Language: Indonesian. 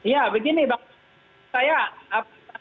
ya begini bang panggi